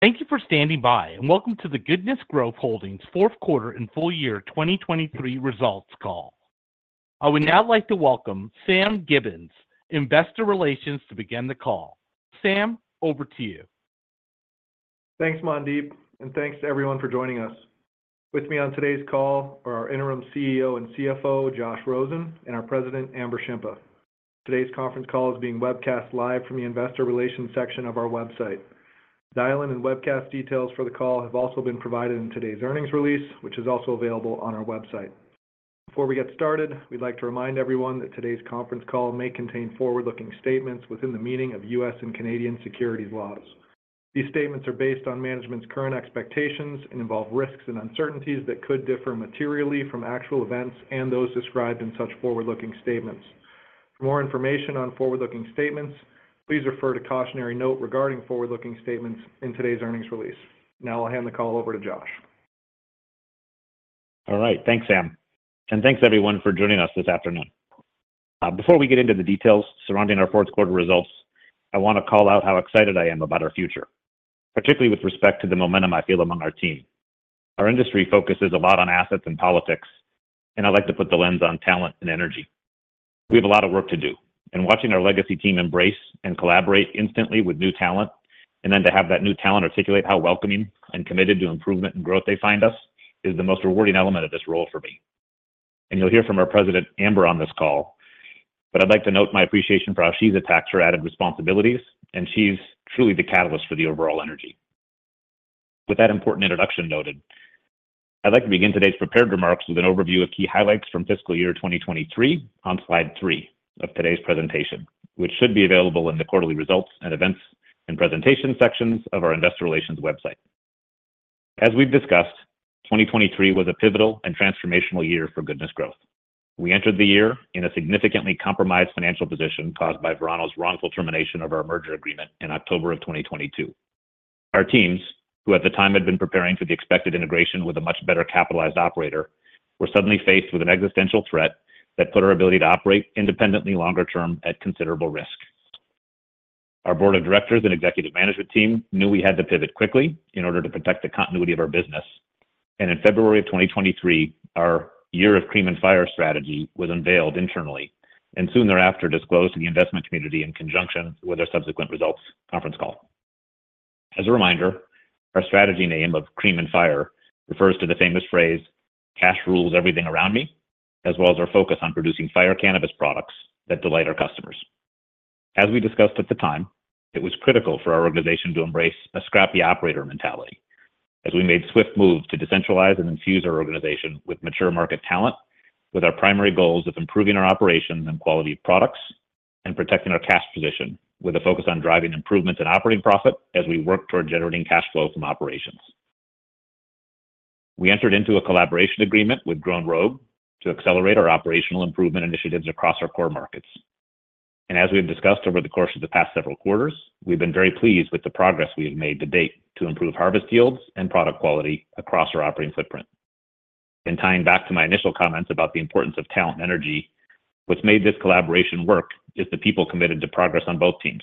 Thank you for standing by, and welcome to the Goodness Growth Holdings' fourth quarter and full year 2023 results call. I would now like to welcome Sam Gibbons, Investor Relations, to begin the call. Sam, over to you. Thanks, Mandeep, and thanks to everyone for joining us. With me on today's call are our interim CEO and CFO, Josh Rosen, and our president, Amber Shimpa. Today's conference call is being webcast live from the Investor Relations section of our website. Dial-in and webcast details for the call have also been provided in today's earnings release, which is also available on our website. Before we get started, we'd like to remind everyone that today's conference call may contain forward-looking statements within the meaning of U.S. and Canadian securities laws. These statements are based on management's current expectations and involve risks and uncertainties that could differ materially from actual events and those described in such forward-looking statements. For more information on forward-looking statements, please refer to Cautionary Note regarding forward-looking statements in today's earnings release. Now I'll hand the call over to Josh. All right. Thanks, Sam, and thanks everyone for joining us this afternoon. Before we get into the details surrounding our fourth quarter results, I want to call out how excited I am about our future, particularly with respect to the momentum I feel among our team. Our industry focuses a lot on assets and politics, and I'd like to put the lens on talent and energy. We have a lot of work to do, and watching our legacy team embrace and collaborate instantly with new talent, and then to have that new talent articulate how welcoming and committed to improvement and growth they find us, is the most rewarding element of this role for me. You'll hear from our President, Amber, on this call, but I'd like to note my appreciation for how she's attached to her added responsibilities, and she's truly the catalyst for the overall energy. With that important introduction noted, I'd like to begin today's prepared remarks with an overview of key highlights from fiscal year 2023 on slide three of today's presentation, which should be available in the quarterly results and events and presentations sections of our Investor Relations website. As we've discussed, 2023 was a pivotal and transformational year for Goodness Growth. We entered the year in a significantly compromised financial position caused by Verano's wrongful termination of our merger agreement in October of 2022. Our teams, who at the time had been preparing for the expected integration with a much better capitalized operator, were suddenly faced with an existential threat that put our ability to operate independently longer term at considerable risk. Our board of directors and executive management team knew we had to pivot quickly in order to protect the continuity of our business, and in February of 2023, our Year of Cream and Fire strategy was unveiled internally and soon thereafter disclosed to the investment community in conjunction with our subsequent results conference call. As a reminder, our strategy name of Cream and Fire refers to the famous phrase, "Cash rules everything around me," as well as our focus on producing fire cannabis products that delight our customers. As we discussed at the time, it was critical for our organization to embrace a scrappy operator mentality as we made swift moves to decentralize and infuse our organization with mature market talent with our primary goals of improving our operations and quality of products and protecting our cash position with a focus on driving improvements in operating profit as we work toward generating cash flow from operations. We entered into a collaboration agreement with Grown Rogue to accelerate our operational improvement initiatives across our core markets. As we've discussed over the course of the past several quarters, we've been very pleased with the progress we have made to date to improve harvest yields and product quality across our operating footprint. Tying back to my initial comments about the importance of talent and energy, what's made this collaboration work is the people committed to progress on both teams.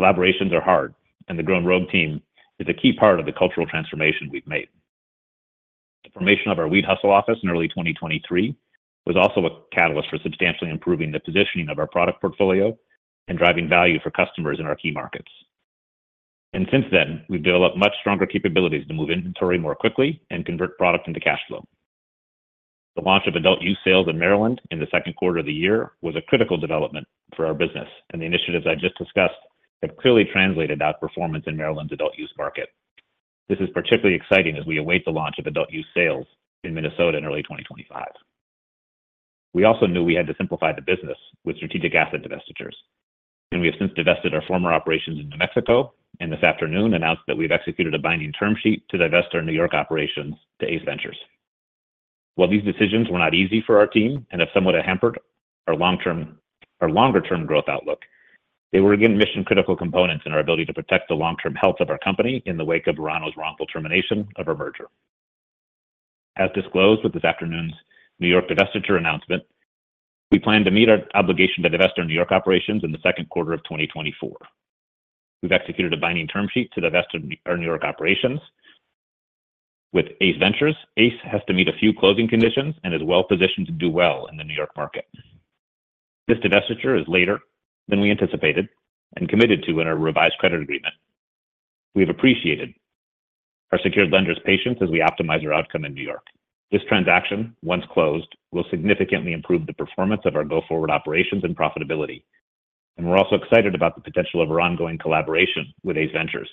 Collaborations are hard, and the Grown Rogue team is a key part of the cultural transformation we've made. The formation of our Weed Hustle Office in early 2023 was also a catalyst for substantially improving the positioning of our product portfolio and driving value for customers in our key markets. Since then, we've developed much stronger capabilities to move inventory more quickly and convert product into cash flow. The launch of adult-use sales in Maryland in the second quarter of the year was a critical development for our business, and the initiatives I just discussed have clearly translated out performance in Maryland's adult-use market. This is particularly exciting as we await the launch of adult-use sales in Minnesota in early 2025. We also knew we had to simplify the business with strategic asset divestitures, and we have since divested our former operations in New Mexico and this afternoon announced that we've executed a binding term sheet to divest our New York operations to Ace Ventures. While these decisions were not easy for our team and have somewhat hampered our longer-term growth outlook, they were again mission-critical components in our ability to protect the long-term health of our company in the wake of Verano's wrongful termination of our merger. As disclosed with this afternoon's New York divestiture announcement, we plan to meet our obligation to divest our New York operations in the second quarter of 2024. We've executed a binding term sheet to divest our New York operations with Ace Ventures. Ace has to meet a few closing conditions and is well positioned to do well in the New York market. This divestiture is later than we anticipated and committed to in our revised credit agreement. We have appreciated our secured lender's patience as we optimize our outcome in New York. This transaction, once closed, will significantly improve the performance of our go-forward operations and profitability, and we're also excited about the potential of our ongoing collaboration with Ace Ventures,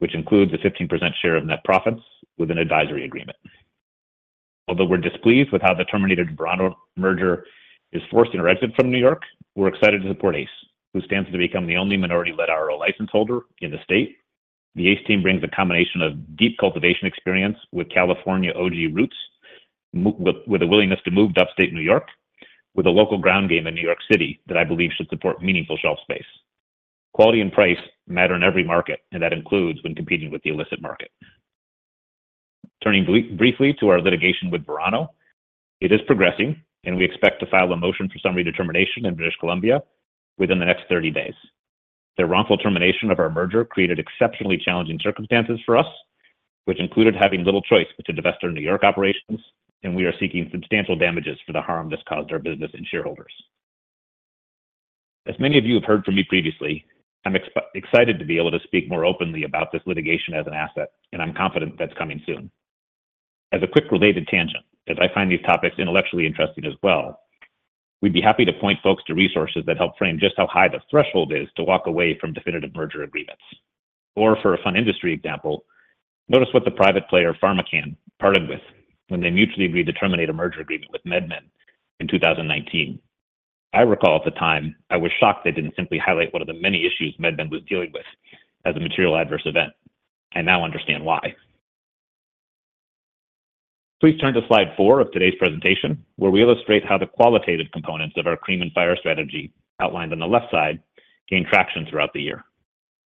which includes a 15% share of net profits with an advisory agreement. Although we're displeased with how the terminated Verano merger is forcing our exit from New York, we're excited to support Ace, who stands to become the only minority-led RO licenseholder in the state. The Ace team brings a combination of deep cultivation experience with California OG roots, with a willingness to move to upstate New York, with a local ground game in New York City that I believe should support meaningful shelf space. Quality and price matter in every market, and that includes when competing with the illicit market. Turning briefly to our litigation with Verano, it is progressing, and we expect to file a motion for summary determination in British Columbia within the next 30 days. Their wrongful termination of our merger created exceptionally challenging circumstances for us, which included having little choice but to divest our New York operations, and we are seeking substantial damages for the harm this caused our business and shareholders. As many of you have heard from me previously, I'm excited to be able to speak more openly about this litigation as an asset, and I'm confident that's coming soon. As a quick related tangent, as I find these topics intellectually interesting as well, we'd be happy to point folks to resources that help frame just how high the threshold is to walk away from definitive merger agreements. Or for a fun industry example, notice what the private player PharmaCann parted with when they mutually agreed to terminate a merger agreement with MedMen in 2019. I recall at the time I was shocked they didn't simply highlight one of the many issues MedMen was dealing with as a material adverse event. I now understand why. Please turn to slide four of today's presentation, where we illustrate how the qualitative components of our CREAM and Fire strategy outlined on the left side gained traction throughout the year,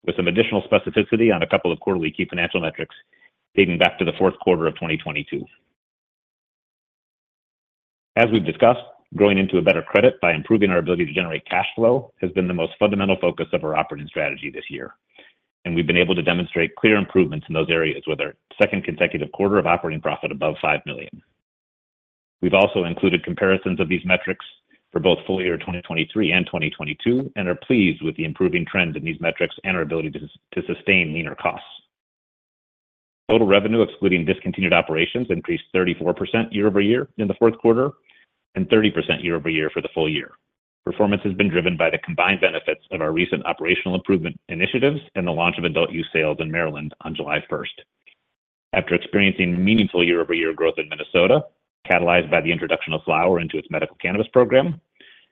with some additional specificity on a couple of quarterly key financial metrics dating back to the fourth quarter of 2022. As we've discussed, growing into a better credit by improving our ability to generate cash flow has been the most fundamental focus of our operating strategy this year, and we've been able to demonstrate clear improvements in those areas with our second consecutive quarter of operating profit above $5 million. We've also included comparisons of these metrics for both full year 2023 and 2022 and are pleased with the improving trend in these metrics and our ability to sustain leaner costs. Total revenue excluding discontinued operations increased 34% year-over-year in the fourth quarter and 30% year-over-year for the full year. Performance has been driven by the combined benefits of our recent operational improvement initiatives and the launch of adult-use sales in Maryland on July 1st. After experiencing meaningful year-over-year growth in Minnesota, catalyzed by the introduction of flower into its medical cannabis program,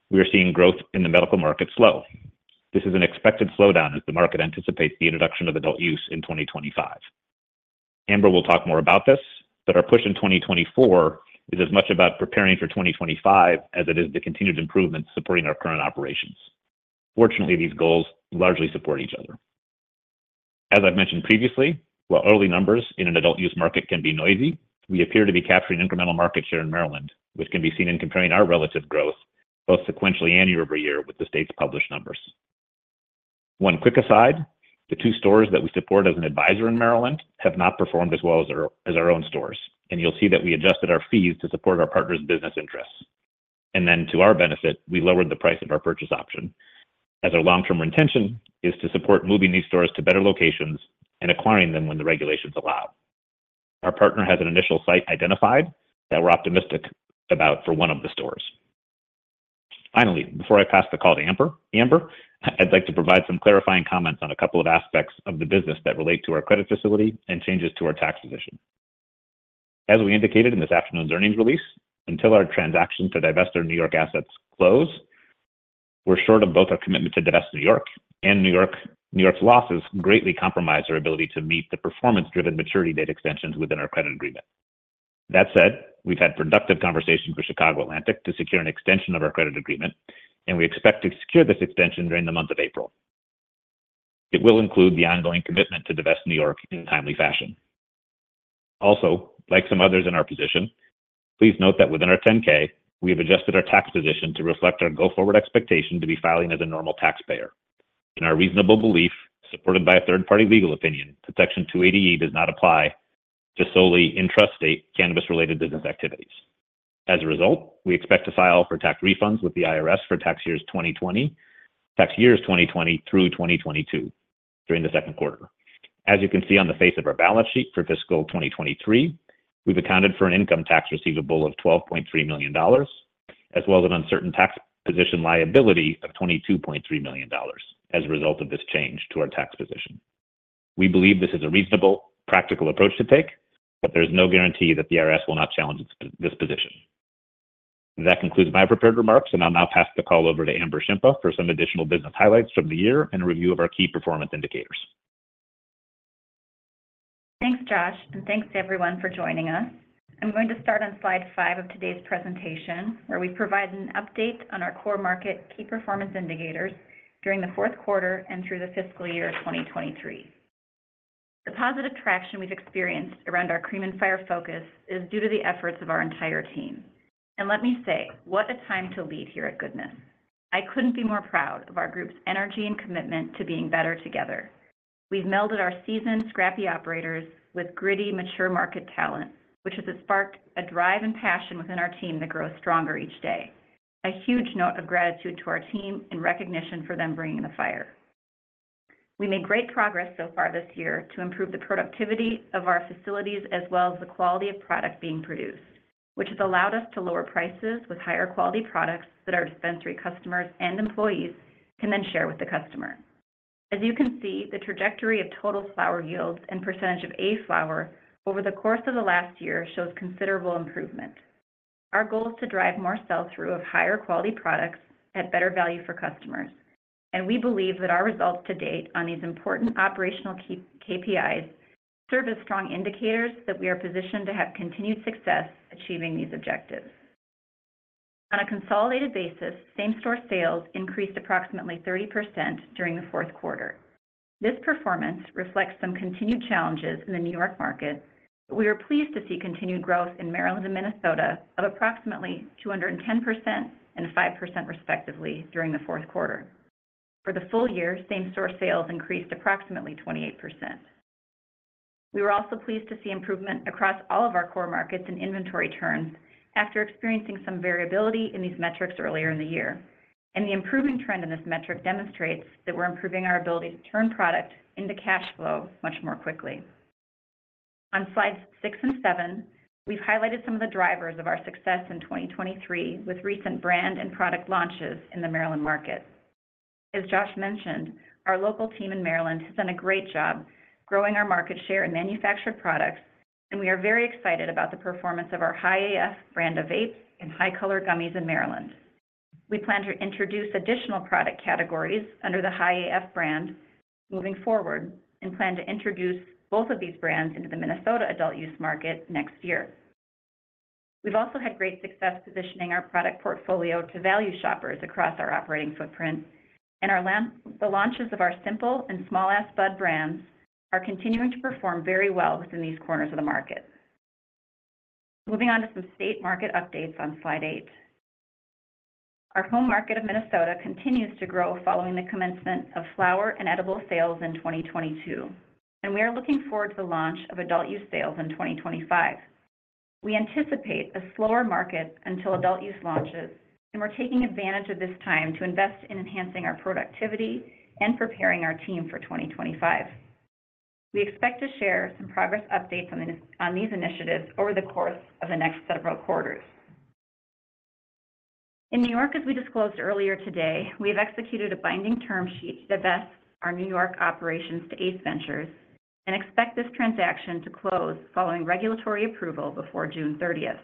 we are seeing growth in the medical market slow. This is an expected slowdown as the market anticipates the introduction of adult-use in 2025. Amber will talk more about this, but our push in 2024 is as much about preparing for 2025 as it is the continued improvements supporting our current operations. Fortunately, these goals largely support each other. As I've mentioned previously, while early numbers in an adult-use market can be noisy, we appear to be capturing incremental market share in Maryland, which can be seen in comparing our relative growth both sequentially and year-over-year with the state's published numbers. One quick aside, the two stores that we support as an advisor in Maryland have not performed as well as our own stores, and you'll see that we adjusted our fees to support our partner's business interests. And then, to our benefit, we lowered the price of our purchase option as our long-term intention is to support moving these stores to better locations and acquiring them when the regulations allow. Our partner has an initial site identified that we're optimistic about for one of the stores. Finally, before I pass the call to Amber, I'd like to provide some clarifying comments on a couple of aspects of the business that relate to our credit facility and changes to our tax position. As we indicated in this afternoon's earnings release, until our transaction to divest our New York assets close, we're short of both our commitment to divest New York and New York's losses greatly compromise our ability to meet the performance-driven maturity date extensions within our credit agreement. That said, we've had productive conversations with Chicago Atlantic to secure an extension of our credit agreement, and we expect to secure this extension during the month of April. It will include the ongoing commitment to divest New York in a timely fashion. Also, like some others in our position, please note that within our 10-K, we have adjusted our tax position to reflect our go-forward expectation to be filing as a normal taxpayer. In our reasonable belief, supported by a third-party legal opinion, that Section 280E does not apply to solely intrastate cannabis-related business activities. As a result, we expect to file for tax refunds with the IRS for tax years 2020 through 2022 during the second quarter. As you can see on the face of our balance sheet for fiscal 2023, we've accounted for an income tax receivable of $12.3 million as well as an uncertain tax position liability of $22.3 million as a result of this change to our tax position. We believe this is a reasonable, practical approach to take, but there is no guarantee that the IRS will not challenge this position. That concludes my prepared remarks, and I'll now pass the call over to Amber Shimpa for some additional business highlights from the year and a review of our key performance indicators. Thanks, Josh, and thanks to everyone for joining us. I'm going to start on slide 5 of today's presentation, where we provide an update on our core market key performance indicators during the fourth quarter and through the fiscal year 2023. The positive traction we've experienced around our Cream and Fire focus is due to the efforts of our entire team. And let me say, what a time to lead here at Goodness. I couldn't be more proud of our group's energy and commitment to being better together. We've melded our seasoned scrappy operators with gritty, mature market talent, which has sparked a drive and passion within our team that grows stronger each day. A huge note of gratitude to our team and recognition for them bringing the fire. We made great progress so far this year to improve the productivity of our facilities as well as the quality of product being produced, which has allowed us to lower prices with higher quality products that our dispensary customers and employees can then share with the customer. As you can see, the trajectory of total flower yields and percentage of A's flower over the course of the last year shows considerable improvement. Our goal is to drive more sell-through of higher quality products at better value for customers, and we believe that our results to date on these important operational KPIs serve as strong indicators that we are positioned to have continued success achieving these objectives. On a consolidated basis, same-store sales increased approximately 30% during the fourth quarter. This performance reflects some continued challenges in the New York market, but we are pleased to see continued growth in Maryland and Minnesota of approximately 210% and 5% respectively during the fourth quarter. For the full year, same-store sales increased approximately 28%. We were also pleased to see improvement across all of our core markets in inventory turns after experiencing some variability in these metrics earlier in the year, and the improving trend in this metric demonstrates that we're improving our ability to turn product into cash flow much more quickly. On slides six and seven, we've highlighted some of the drivers of our success in 2023 with recent brand and product launches in the Maryland market. As Josh mentioned, our local team in Maryland has done a great job growing our market share in manufactured products, and we are very excited about the performance of our Hi-AF brand of vapes and Hi-Color gummies in Maryland. We plan to introduce additional product categories under the Hi-AF brand moving forward and plan to introduce both of these brands into the Minnesota adult-use market next year. We've also had great success positioning our product portfolio to value shoppers across our operating footprint, and the launches of our Simple and Small Ass Bud brands are continuing to perform very well within these corners of the market. Moving on to some state market updates on slide 8. Our home market of Minnesota continues to grow following the commencement of flower and edible sales in 2022, and we are looking forward to the launch of adult-use sales in 2025. We anticipate a slower market until adult-use launches, and we're taking advantage of this time to invest in enhancing our productivity and preparing our team for 2025. We expect to share some progress updates on these initiatives over the course of the next several quarters. In New York, as we disclosed earlier today, we have executed a binding term sheet to divest our New York operations to ACE Ventures and expect this transaction to close following regulatory approval before June 30th.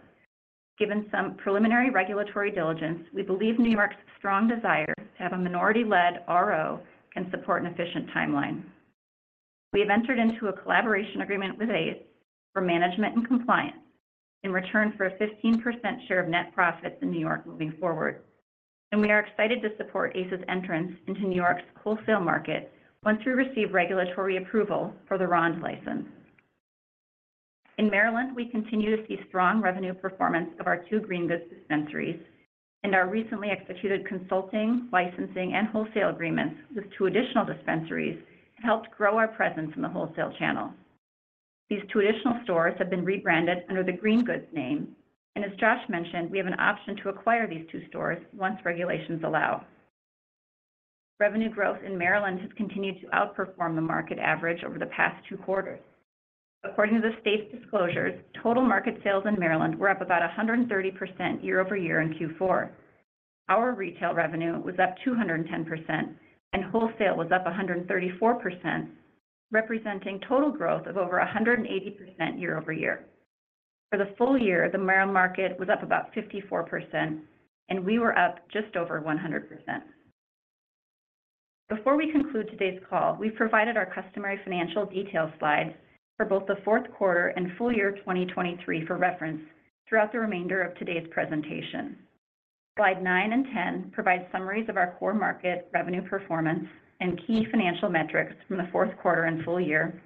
Given some preliminary regulatory diligence, we believe New York's strong desire to have a minority-led RO can support an efficient timeline. We have entered into a collaboration agreement with Ace for management and compliance in return for a 15% share of net profits in New York moving forward, and we are excited to support Ace's entrance into New York's wholesale market once we receive regulatory approval for the RO license. In Maryland, we continue to see strong revenue performance of our two Green Goods dispensaries, and our recently executed consulting, licensing, and wholesale agreements with two additional dispensaries helped grow our presence in the wholesale channel. These two additional stores have been rebranded under the Green Goods name, and as Josh mentioned, we have an option to acquire these two stores once regulations allow. Revenue growth in Maryland has continued to outperform the market average over the past two quarters. According to the state's disclosures, total market sales in Maryland were up about 130% year-over-year in Q4. Our retail revenue was up 210%, and wholesale was up 134%, representing total growth of over 180% year-over-year. For the full year, the Maryland market was up about 54%, and we were up just over 100%. Before we conclude today's call, we've provided our customary financial detail slides for both the fourth quarter and full year 2023 for reference throughout the remainder of today's presentation. Slide nine and 10 provide summaries of our core market revenue performance and key financial metrics from the fourth quarter and full year,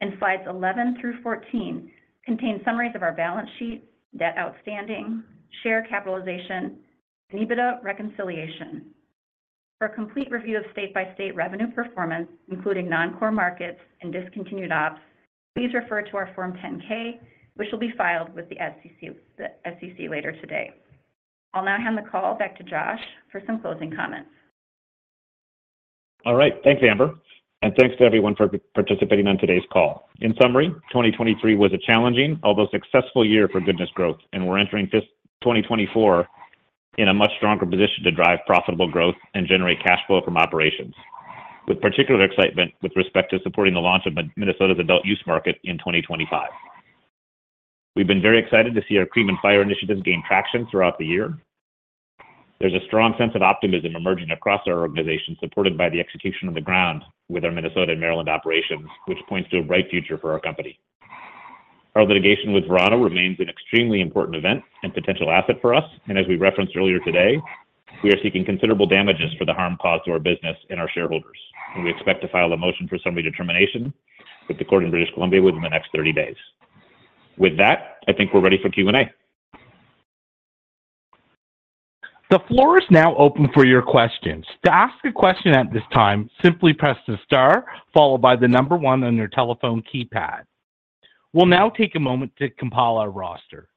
and slides 11 through 14 contain summaries of our balance sheet, debt outstanding, share capitalization, and EBITDA reconciliation. For a complete review of state-by-state revenue performance, including non-core markets and discontinued ops, please refer to our Form 10-K, which will be filed with the SEC later today. I'll now hand the call back to Josh for some closing comments. All right. Thanks, Amber, and thanks to everyone for participating on today's call. In summary, 2023 was a challenging, although successful year for Goodness Growth, and we're entering 2024 in a much stronger position to drive profitable growth and generate cash flow from operations, with particular excitement with respect to supporting the launch of Minnesota's adult-use market in 2025. We've been very excited to see our Cream and Fire initiatives gain traction throughout the year. There's a strong sense of optimism emerging across our organization, supported by the execution on the ground with our Minnesota and Maryland operations, which points to a bright future for our company. Our litigation with Verano remains an extremely important event and potential asset for us, and as we referenced earlier today, we are seeking considerable damages for the harm caused to our business and our shareholders, and we expect to file a motion for summary determination with the Court in British Columbia within the next 30 days. With that, I think we're ready for Q&A. The floor is now open for your questions. To ask a question at this time, simply press the star followed by the number one on your telephone keypad. We'll now take a moment to compile our roster.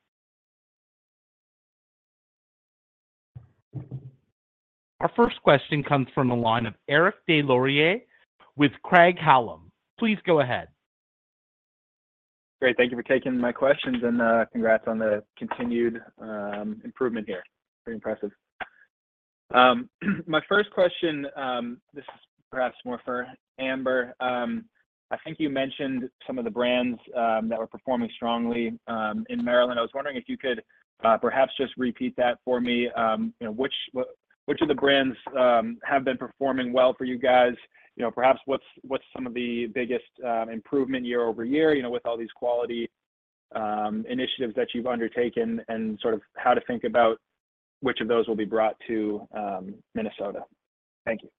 Our first question comes from the line of Eric Des Lauriers with Craig Hallum. Please go ahead. Great. Thank you for taking my questions, and congrats on the continued improvement here. Pretty impressive. My first question, this is perhaps more for Amber. I think you mentioned some of the brands that were performing strongly in Maryland. I was wondering if you could perhaps just repeat that for me. Which of the brands have been performing well for you guys? Perhaps what's some of the biggest improvement year-over-year with all these quality initiatives that you've undertaken and sort of how to think about which of those will be brought to Minnesota? Thank you.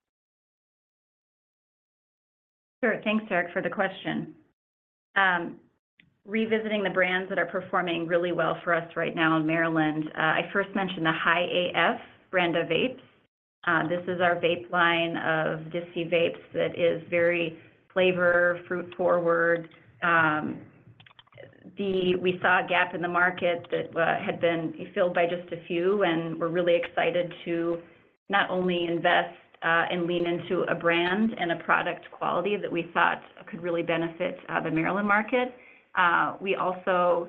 Sure. Thanks, Eric, for the question. Revisiting the brands that are performing really well for us right now in Maryland, I first mentioned the High AF brand of vapes. This is our vape line of Disty vapes that is very flavor, fruit-forward. We saw a gap in the market that had been filled by just a few, and we're really excited to not only invest and lean into a brand and a product quality that we thought could really benefit the Maryland market. We also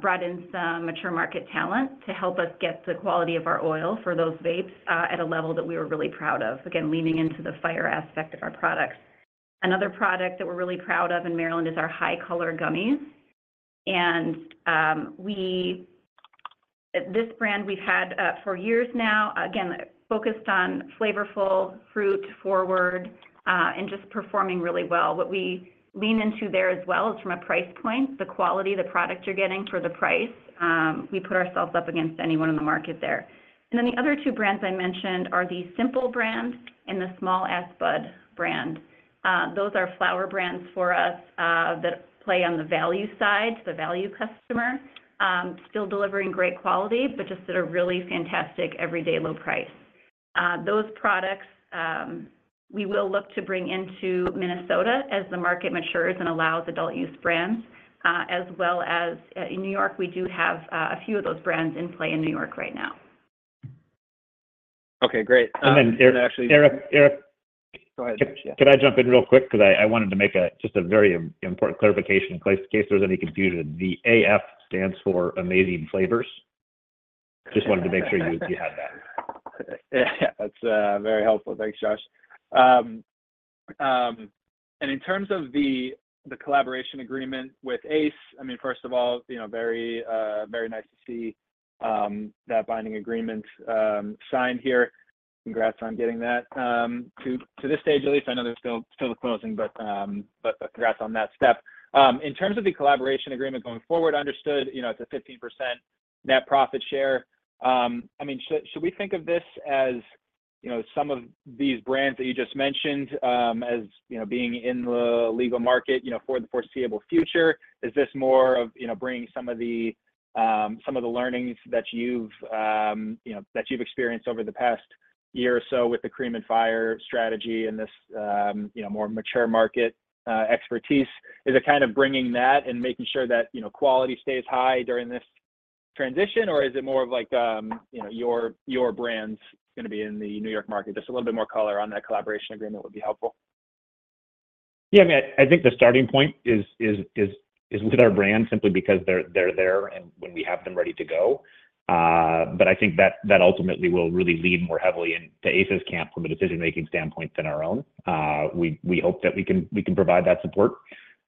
brought in some mature market talent to help us get the quality of our oil for those vapes at a level that we were really proud of, again, leaning into the fire aspect of our products. Another product that we're really proud of in Maryland is our Hi-Color gummies. And this brand, we've had for years now, again, focused on flavorful, fruit-forward, and just performing really well. What we lean into there as well is from a price point, the quality of the product you're getting for the price. We put ourselves up against anyone in the market there. And then the other two brands I mentioned are the Simple brand and the Small Ass Bud brand. Those are flower brands for us that play on the value side, the value customer, still delivering great quality but just at a really fantastic everyday low price. Those products, we will look to bring into Minnesota as the market matures and allows adult-use brands, as well as in New York, we do have a few of those brands in play in New York right now. Okay. Great. Then Eric. Eric, go ahead. Can I jump in real quick? Because I wanted to make just a very important clarification in case there's any confusion. The AF stands for Amazing Flavors. Just wanted to make sure you had that. Yeah. That's very helpful. Thanks, Josh. And in terms of the collaboration agreement with Ace, I mean, first of all, very nice to see that binding agreement signed here. Congrats on getting that. To this stage, at least, I know there's still the closing, but congrats on that step. In terms of the collaboration agreement going forward, understood it's a 15% net profit share. I mean, should we think of this as some of these brands that you just mentioned as being in the legal market for the foreseeable future? Is this more of bringing some of the learnings that you've experienced over the past year or so with the Cream and Fire strategy and this more mature market expertise? Is it kind of bringing that and making sure that quality stays high during this transition, or is it more of your brand's going to be in the New York market? Just a little bit more color on that collaboration agreement would be helpful. Yeah. I mean, I think the starting point is with our brand simply because they're there and when we have them ready to go. But I think that ultimately will really lead more heavily into Ace's camp from a decision-making standpoint than our own. We hope that we can provide that support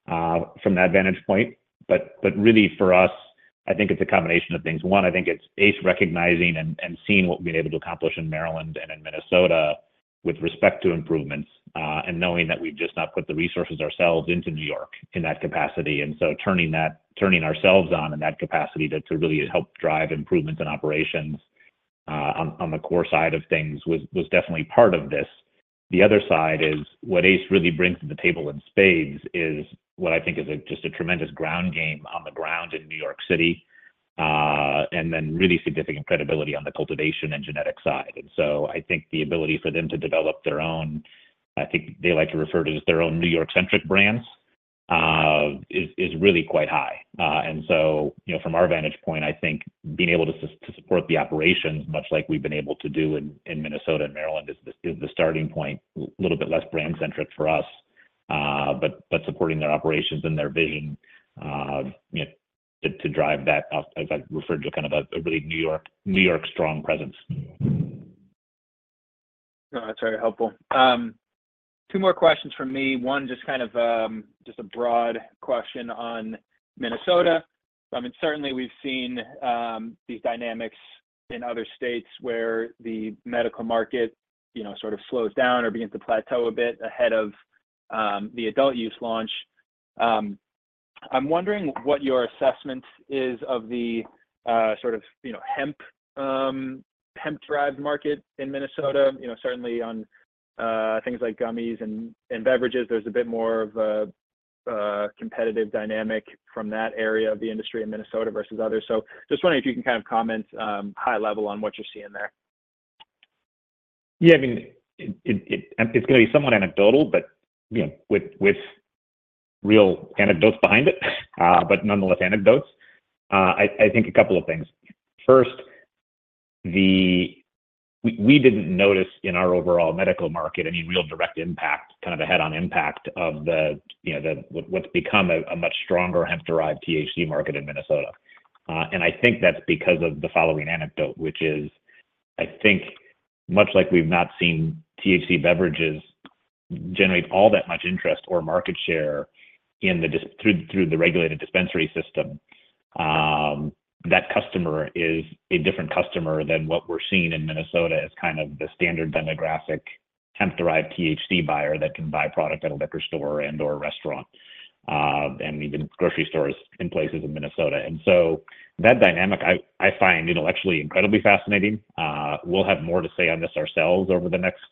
from that vantage point. But really, for us, I think it's a combination of things. One, I think it's Ace recognizing and seeing what we've been able to accomplish in Maryland and in Minnesota with respect to improvements and knowing that we've just not put the resources ourselves into New York in that capacity. And so turning ourselves on in that capacity to really help drive improvements in operations on the core side of things was definitely part of this. The other side is what Ace really brings to the table in spades is what I think is just a tremendous ground game on the ground in New York City and then really significant credibility on the cultivation and genetic side. And so I think the ability for them to develop their own I think they like to refer to as their own New York-centric brands is really quite high. So from our vantage point, I think being able to support the operations, much like we've been able to do in Minnesota and Maryland, is the starting point a little bit less brand-centric for us, but supporting their operations and their vision to drive that, as I referred to, kind of a really New York-strong presence. That's very helpful. Two more questions from me. One, just kind of just a broad question on Minnesota. I mean, certainly, we've seen these dynamics in other states where the medical market sort of slows down or begins to plateau a bit ahead of the adult-use launch. I'm wondering what your assessment is of the sort of hemp-driven market in Minnesota. Certainly, on things like gummies and beverages, there's a bit more of a competitive dynamic from that area of the industry in Minnesota versus others. Just wondering if you can kind of comment high-level on what you're seeing there. Yeah. I mean, it's going to be somewhat anecdotal, but with real anecdotes behind it, but nonetheless, anecdotes. I think a couple of things. First, we didn't notice in our overall medical market any real direct impact, kind of a head-on impact of what's become a much stronger hemp-derived THC market in Minnesota. And I think that's because of the following anecdote, which is, I think, much like we've not seen THC beverages generate all that much interest or market share through the regulated dispensary system, that customer is a different customer than what we're seeing in Minnesota as kind of the standard demographic hemp-derived THC buyer that can buy product at a liquor store and/or restaurant and even grocery stores in places in Minnesota. And so that dynamic, I find, actually incredibly fascinating. We'll have more to say on this ourselves over the next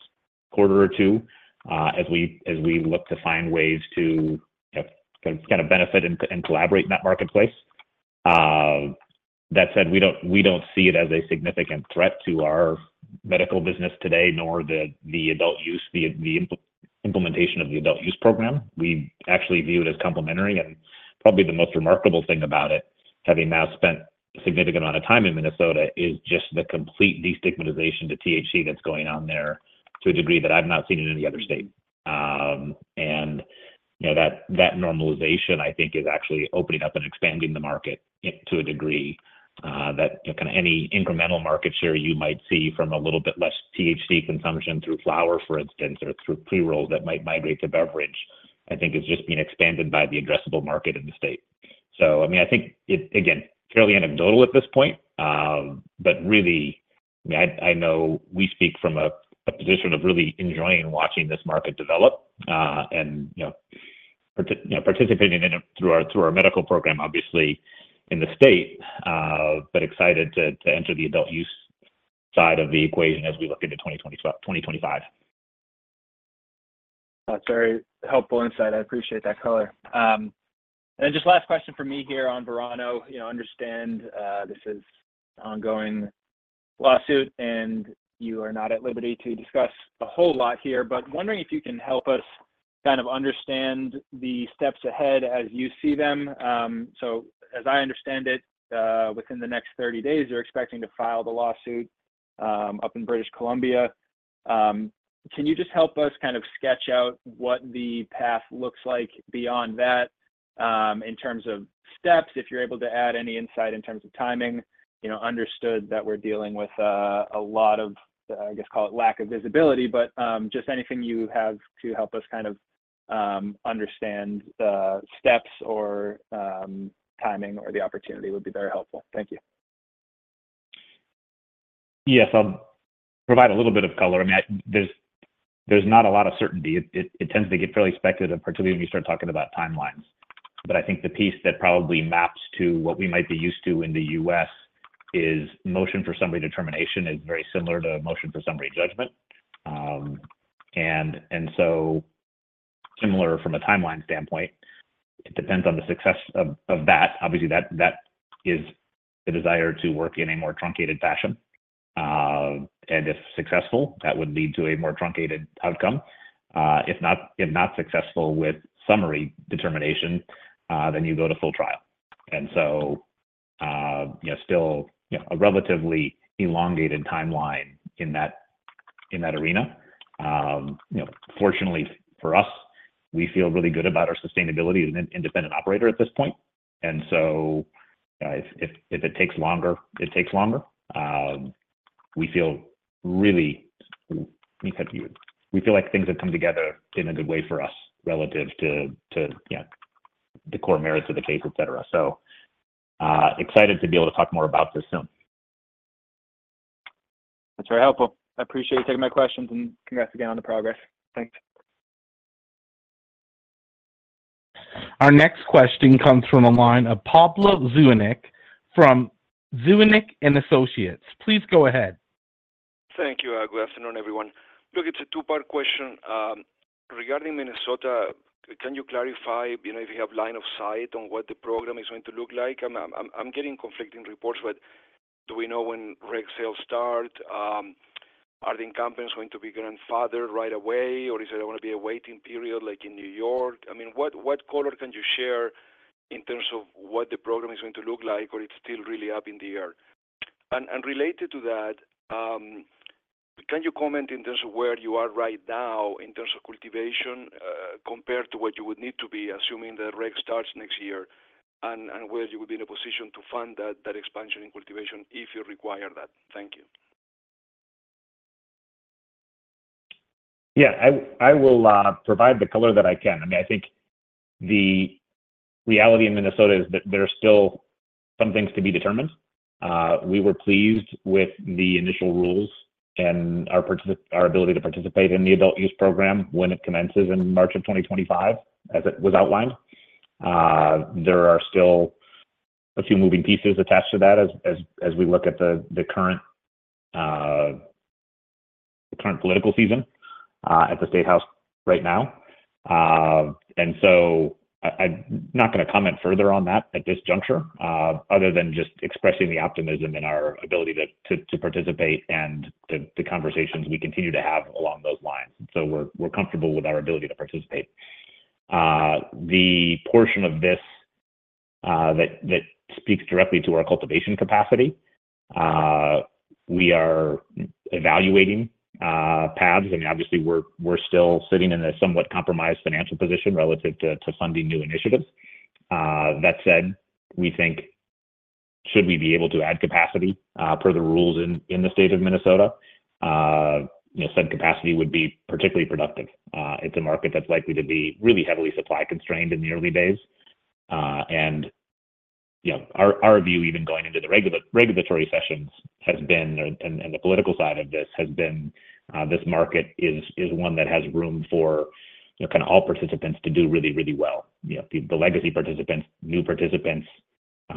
quarter or two as we look to find ways to kind of benefit and collaborate in that marketplace. That said, we don't see it as a significant threat to our medical business today nor the adult use, the implementation of the adult use program. We actually view it as complementary. Probably the most remarkable thing about it, having now spent a significant amount of time in Minnesota, is just the complete destigmatization to THC that's going on there to a degree that I've not seen in any other state. That normalization, I think, is actually opening up and expanding the market to a degree that kind of any incremental market share you might see from a little bit less THC consumption through flower, for instance, or through pre-rolls that might migrate to beverage, I think, is just being expanded by the addressable market in the state. I mean, I think it's, again, fairly anecdotal at this point, but really, I mean, I know we speak from a position of really enjoying watching this market develop and participating in it through our medical program, obviously, in the state, but excited to enter the adult-use side of the equation as we look into 2025. That's very helpful insight. I appreciate that color. Then just last question from me here on Verano. Understand this is an ongoing lawsuit, and you are not at liberty to discuss a whole lot here, but wondering if you can help us kind of understand the steps ahead as you see them. So as I understand it, within the next 30 days, you're expecting to file the lawsuit up in British Columbia. Can you just help us kind of sketch out what the path looks like beyond that in terms of steps, if you're able to add any insight in terms of timing? Understood that we're dealing with a lot of, I guess, call it lack of visibility, but just anything you have to help us kind of understand the steps or timing or the opportunity would be very helpful. Thank you. Yes. I'll provide a little bit of color. I mean, there's not a lot of certainty. It tends to get fairly speculative, particularly when you start talking about timelines. But I think the piece that probably maps to what we might be used to in the U.S. is Motion for Summary Determination is very similar to Motion for Summary Judgment. And so similar from a timeline standpoint, it depends on the success of that. Obviously, that is the desire to work in a more truncated fashion. And if successful, that would lead to a more truncated outcome. If not successful with Summary Determination, then you go to full trial. And so still a relatively elongated timeline in that arena. Fortunately for us, we feel really good about our sustainability as an independent operator at this point. And so if it takes longer, it takes longer. We feel really like things have come together in a good way for us relative to the core merits of the case, etc. So excited to be able to talk more about this soon. That's very helpful. I appreciate you taking my questions, and congrats again on the progress. Thanks. Our next question comes from the line of Pablo Zuanic from Zuanic & Associates. Please go ahead. Thank you, Agweson and everyone. Look, it's a two-part question. Regarding Minnesota, can you clarify if you have line of sight on what the program is going to look like? I'm getting conflicting reports, but do we know when reg sales start? Are the incumbents going to be grandfathered right away, or is there going to be a waiting period like in New York? I mean, what color can you share in terms of what the program is going to look like, or it's still really up in the air? And related to that, can you comment in terms of where you are right now in terms of cultivation compared to what you would need to be, assuming that reg starts next year, and where you would be in a position to fund that expansion in cultivation if you require that? Thank you. Yeah. I will provide the color that I can. I mean, I think the reality in Minnesota is that there are still some things to be determined. We were pleased with the initial rules and our ability to participate in the adult use program when it commences in March of 2025 as it was outlined. There are still a few moving pieces attached to that as we look at the current political season at the statehouse right now. And so I'm not going to comment further on that at this juncture other than just expressing the optimism in our ability to participate and the conversations we continue to have along those lines. So we're comfortable with our ability to participate. The portion of this that speaks directly to our cultivation capacity, we are evaluating paths. I mean, obviously, we're still sitting in a somewhat compromised financial position relative to funding new initiatives. That said, we think should we be able to add capacity per the rules in the state of Minnesota, said capacity would be particularly productive. It's a market that's likely to be really heavily supply-constrained in the early days. And our view, even going into the regulatory sessions, has been and the political side of this has been this market is one that has room for kind of all participants to do really, really well. The legacy participants, new participants.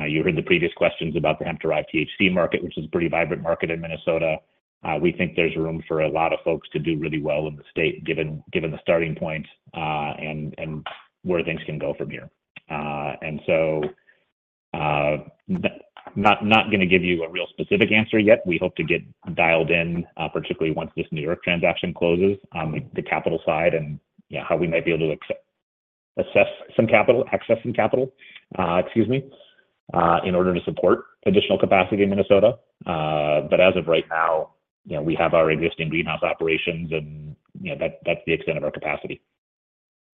You heard the previous questions about the hemp-derived THC market, which is a pretty vibrant market in Minnesota. We think there's room for a lot of folks to do really well in the state given the starting point and where things can go from here. And so, not going to give you a real specific answer yet. We hope to get dialed in, particularly once this New York transaction closes, the capital side and how we might be able to assess some capital, access some capital, excuse me, in order to support additional capacity in Minnesota. But as of right now, we have our existing greenhouse operations, and that's the extent of our capacity.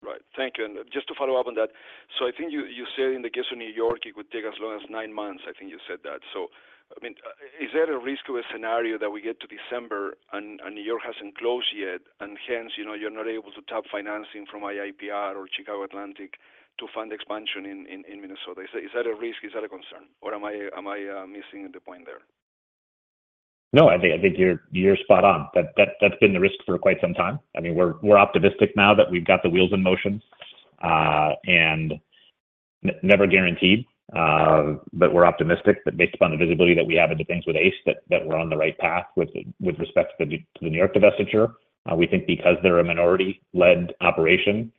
Right. Thank you. And just to follow up on that, so I think you said in the case of New York, it would take as long as nine months. I think you said that. So I mean, is there a risk of a scenario that we get to December and New York hasn't closed yet, and hence, you're not able to tap financing from IIP or Chicago Atlantic to fund expansion in Minnesota? Is that a risk? Is that a concern, or am I missing the point there? No, I think you're spot on. That's been the risk for quite some time. I mean, we're optimistic now that we've got the wheels in motion and never guaranteed, but we're optimistic that based upon the visibility that we have into things with Ace, that we're on the right path with respect to the New York divestiture. We think because they're a minority-led operation,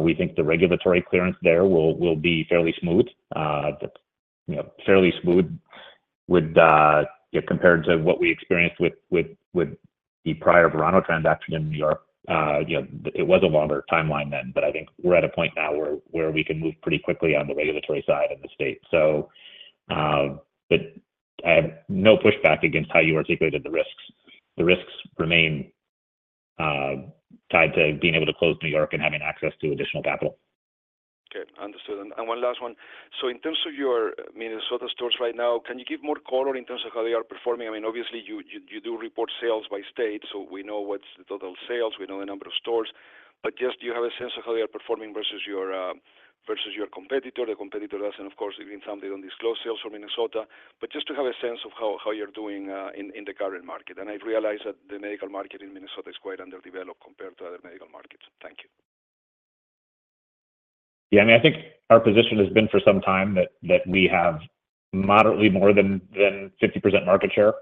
we think the regulatory clearance there will be fairly smooth. That's fairly smooth compared to what we experienced with the prior Verano transaction in New York. It was a longer timeline then, but I think we're at a point now where we can move pretty quickly on the regulatory side in the state. But I have no pushback against how you articulated the risks. The risks remain tied to being able to close New York and having access to additional capital. Okay. Understood. One last one. So in terms of your Minnesota stores right now, can you give more color in terms of how they are performing? I mean, obviously, you do report sales by state, so we know what's the total sales. We know the number of stores. But just do you have a sense of how they are performing versus your competitor? The competitor doesn't, of course, even something on disclosed sales for Minnesota, but just to have a sense of how you're doing in the current market. I've realized that the medical market in Minnesota is quite underdeveloped compared to other medical markets. Thank you. Yeah. I mean, I think our position has been for some time that we have moderately more than 50% market share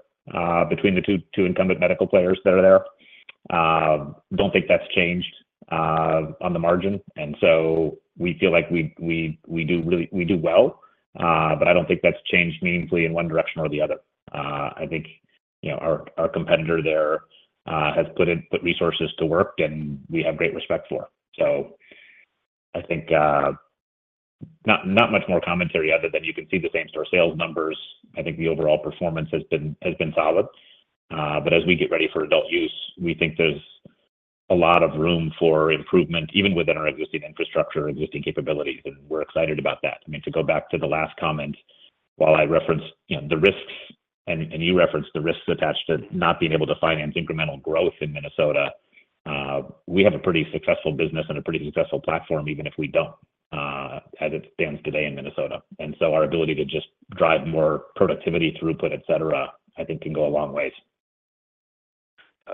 between the two incumbent medical players that are there. Don't think that's changed on the margin. And so we feel like we do well. But I don't think that's changed meaningfully in one direction or the other. I think our competitor there has put resources to work, and we have great respect for. So I think not much more commentary other than you can see the same-store sales numbers. I think the overall performance has been solid. But as we get ready for adult-use, we think there's a lot of room for improvement, even within our existing infrastructure, existing capabilities. And we're excited about that. I mean, to go back to the last comment, while I referenced the risks and you referenced the risks attached to not being able to finance incremental growth in Minnesota, we have a pretty successful business and a pretty successful platform even if we don't as it stands today in Minnesota. And so our ability to just drive more productivity, throughput, etc., I think can go a long ways.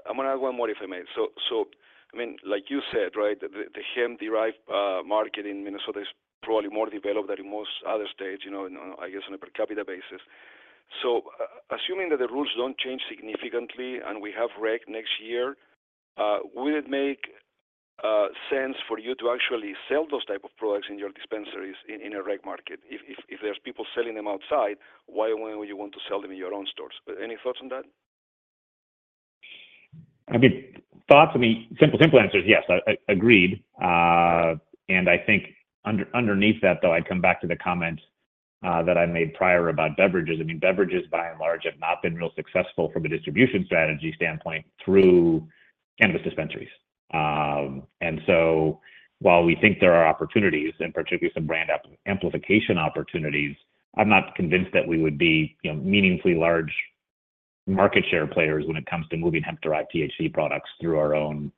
I'm going to add one more if I may. So I mean, like you said, right, the hemp-derived market in Minnesota is probably more developed than in most other states, I guess, on a per capita basis. So assuming that the rules don't change significantly and we have reg next year, would it make sense for you to actually sell those type of products in your dispensaries in a reg market? If there's people selling them outside, why would you want to sell them in your own stores? Any thoughts on that? I mean, thoughts, I mean, simple, simple answers, yes, agreed. And I think underneath that, though, I'd come back to the comment that I made prior about beverages. I mean, beverages, by and large, have not been real successful from a distribution strategy standpoint through cannabis dispensaries. And so while we think there are opportunities and particularly some brand amplification opportunities, I'm not convinced that we would be meaningfully large market share players when it comes to moving hemp-derived THC products through our own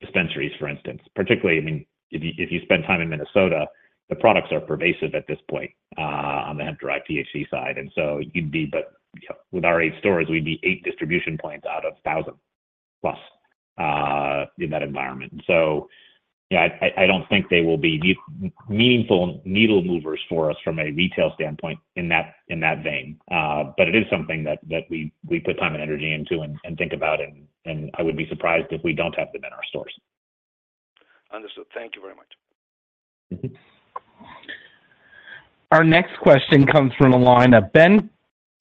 dispensaries, for instance. Particularly, I mean, if you spend time in Minnesota, the products are pervasive at this point on the hemp-derived THC side. And so you'd be, but with our eight stores, we'd be eight distribution points out of 1,000-plus in that environment. So I don't think they will be meaningful needle movers for us from a retail standpoint in that vein. But it is something that we put time and energy into and think about. I would be surprised if we don't have them in our stores. Understood. Thank you very much. Our next question comes from the line of Ben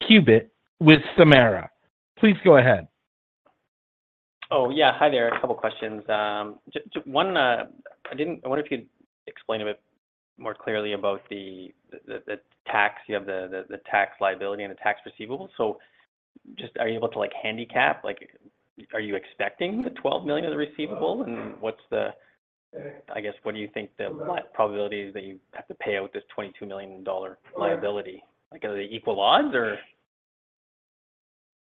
Cubitt with Samara. Please go ahead. Oh, yeah. Hi there. A couple of questions. One, I wonder if you could explain a bit more clearly about the tax. You have the tax liability and the tax receivables. So just are you able to handicap? Are you expecting the $12 million of the receivable? And I guess, what do you think the probability is that you have to pay out this $22 million liability? Are they equal odds,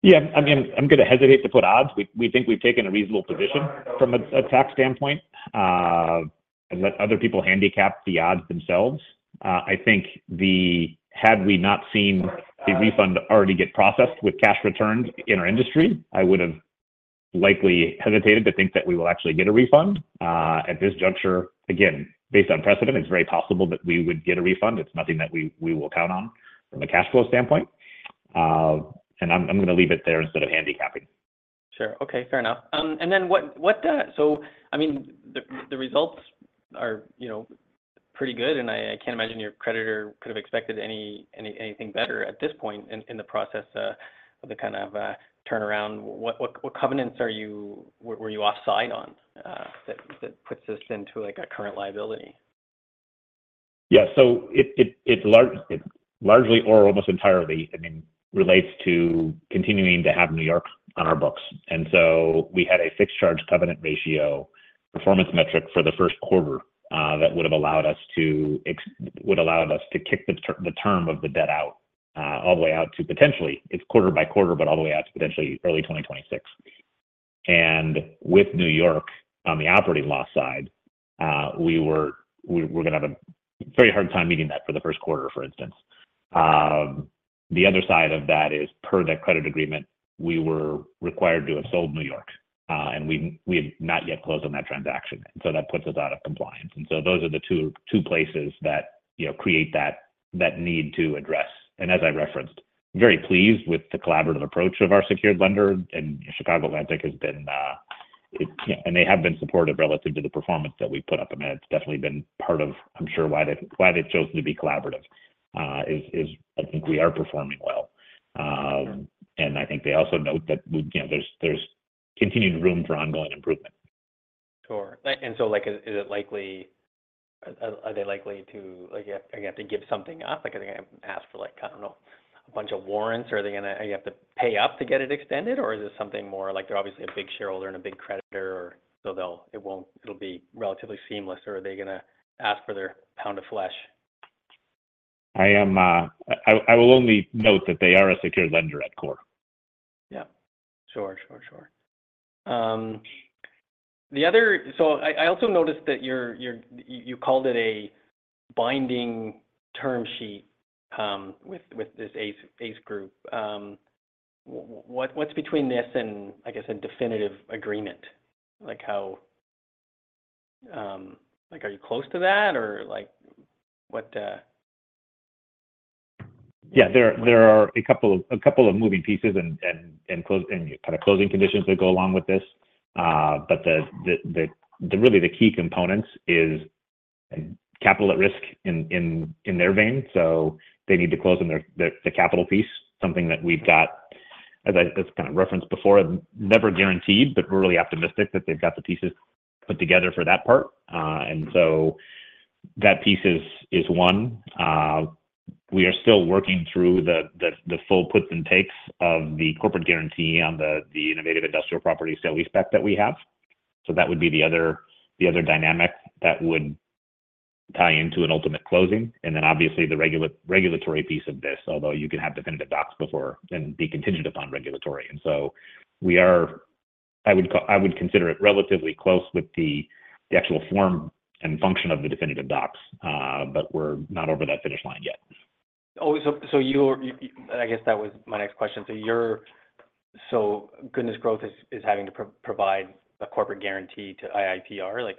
or? Yeah. I mean, I'm going to hesitate to put odds. We think we've taken a reasonable position from a tax standpoint and let other people handicap the odds themselves. I think had we not seen the refund already get processed with cash returns in our industry, I would have likely hesitated to think that we will actually get a refund. At this juncture, again, based on precedent, it's very possible that we would get a refund. It's nothing that we will count on from a cash flow standpoint. I'm going to leave it there instead of handicapping. Sure. Okay. Fair enough. And then, what? So, I mean, the results are pretty good, and I can't imagine your creditor could have expected anything better at this point in the process of the kind of turnaround. What covenants were you offside on that puts this into a current liability? Yeah. So it largely or almost entirely, I mean, relates to continuing to have New York on our books. And so we had a fixed-charge coverage ratio performance metric for the first quarter that would have allowed us to kick the term of the debt out all the way out to potentially it's quarter by quarter, but all the way out to potentially early 2026. And with New York on the operating loss side, we were going to have a very hard time meeting that for the first quarter, for instance. The other side of that is, per that credit agreement, we were required to have sold New York, and we had not yet closed on that transaction. And so those are the two places that create that need to address. And as I referenced, very pleased with the collaborative approach of our secured lender, and Chicago Atlantic has been and they have been supportive relative to the performance that we've put up. I mean, it's definitely been part of, I'm sure, why they've chosen to be collaborative is I think we are performing well. And I think they also note that there's continued room for ongoing improvement. Sure. And so are they likely to, again, have to give something up? Are they going to ask for, I don't know, a bunch of warrants, or are they going to have to pay up to get it extended, or is it something more like they're obviously a big shareholder and a big creditor, so it'll be relatively seamless, or are they going to ask for their pound of flesh? I will only note that they are a secured lender at core. Yeah. Sure. Sure. Sure. So I also noticed that you called it a binding term sheet with this Ace Group. What's between this and, I guess, a definitive agreement? Are you close to that, or what? Yeah. There are a couple of moving pieces and kind of closing conditions that go along with this. But really, the key component is capital at risk in the vein. So they need to close on the capital piece, something that we've got, as I kind of referenced before, never guaranteed, but we're really optimistic that they've got the pieces put together for that part. And so that piece is one. We are still working through the full puts and takes of the corporate guarantee on the Innovative Industrial Properties sale-leaseback that we have. So that would be the other dynamic that would tie into an ultimate closing. And then, obviously, the regulatory piece of this, although you can have definitive docs before and be contingent upon regulatory. And so I would consider it relatively close with the actual form and function of the definitive docs, but we're not over that finish line yet. Oh, so I guess that was my next question. So Goodness Growth is having to provide a corporate guarantee to IIP.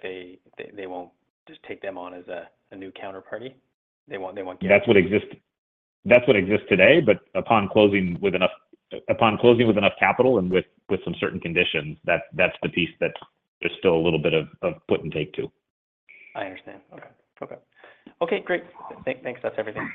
They won't just take them on as a new counterparty? They won't guarantee? That's what exists today. But upon closing with enough capital and with some certain conditions, that's the piece that there's still a little bit of put and take to. I understand. Okay. Okay. Okay. Great. Thanks. That's everything.